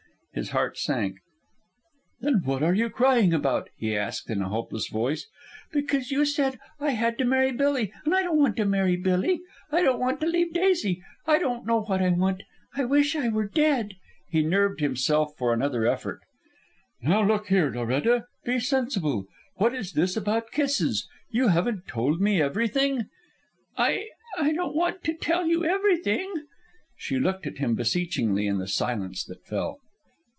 His heart sank. "Then what are you crying about?" he asked in a hopeless voice. "Because you said I had to marry Billy. And I don't want to marry Billy. I don't want to leave Daisy. I don't know what I want. I wish I were dead." He nerved himself for another effort. "Now look here, Loretta, be sensible. What is this about kisses. You haven't told me everything?" "I I don't want to tell you everything." She looked at him beseechingly in the silence that fell.